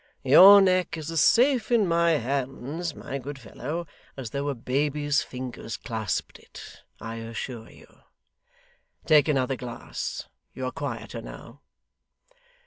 Your neck is as safe in my hands, my good fellow, as though a baby's fingers clasped it, I assure you. Take another glass. You are quieter now.